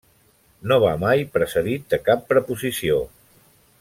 No va mai precedit de cap preposició.